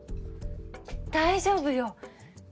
大丈夫よ。